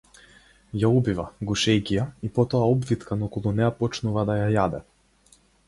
Ја убива, гушејќи ја, и потоа обвиткан околу неа почнува да ја јаде.